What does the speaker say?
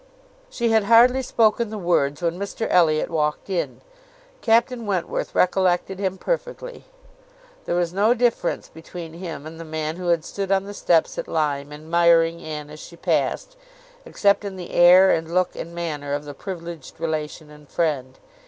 She had hardly spoken the words when Mr Elliot walked in. Captain Wentworth recollected him perfectly. There was no difference between him and the man who had stood on the steps at Lyme, admiring Anne as she passed, except in the air and look and manner of the privileged relation and friend.